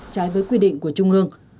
trái với quy định của trung ương